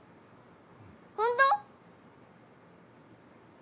本当！？